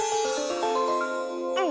うん。